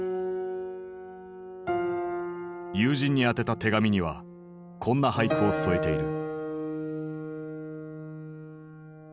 友人に宛てた手紙にはこんな俳句を添えている。